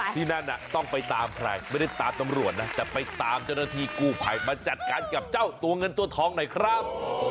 ที่นั่นต้องไปตามใครไม่ได้ตามตำรวจนะแต่ไปตามเจ้าหน้าที่กู้ภัยมาจัดการกับเจ้าตัวเงินตัวทองหน่อยครับ